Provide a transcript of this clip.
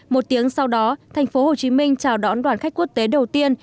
một tiếng sau đó thành phố hồ chí minh chào đón đoàn khách quốc tế đầu tiên